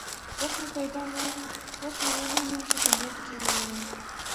وخت مې ونه موند چې په نیټ کې یې ومومم.